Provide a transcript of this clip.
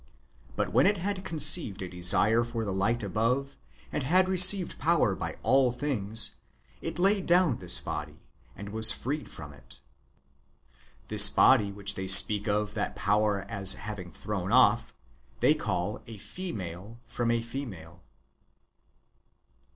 But when it had conceived a desire for the lifrht above, and had received power by all things, it laid down this body, and was freed from it. This body which they speak of that power as having thrown off, they call a female from a female.